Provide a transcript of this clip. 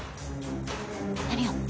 何よ？